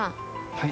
はい。